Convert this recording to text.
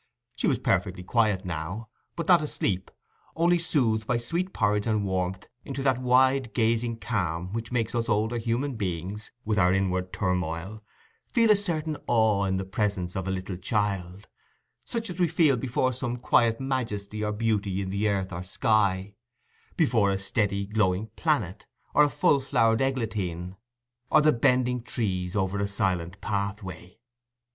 She was perfectly quiet now, but not asleep—only soothed by sweet porridge and warmth into that wide gazing calm which makes us older human beings, with our inward turmoil, feel a certain awe in the presence of a little child, such as we feel before some quiet majesty or beauty in the earth or sky—before a steady glowing planet, or a full flowered eglantine, or the bending trees over a silent pathway.